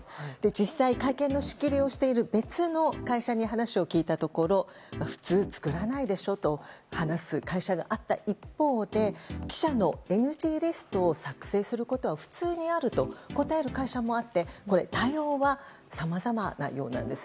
実際、会見の仕切りをしている別の会社に話を聞いたところ普通、作らないでしょと話す会社があった一方で記者のＮＧリストを作成することは普通にあると答える会社もあって対応はさまざまなようです。